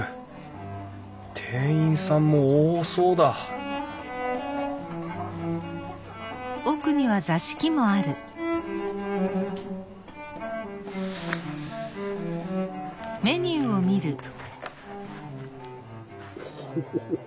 店員さんも多そうだオホホホ。